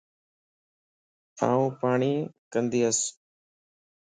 آن پاڻئين ڪندياس